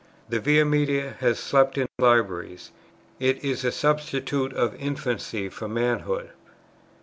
"The Via Media has slept in libraries; it is a substitute of infancy for manhood."